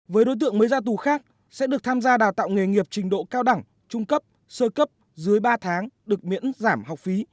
với đối tượng mới ra tù khác sẽ được tham gia đào tạo nghề nghiệp trình độ cao đẳng trung cấp sơ cấp dưới ba tháng được miễn giảm học phí